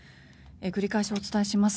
繰り返しお伝えします。